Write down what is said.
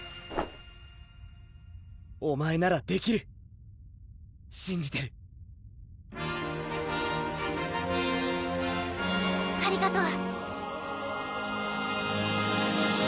お前ならできるしんじてるありがとう！